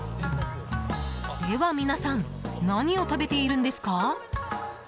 では、皆さん何を食べているんですか？